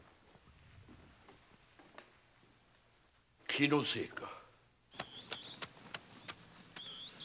気のせいか。